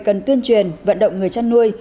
cần tuyên truyền vận động người chăn nuôi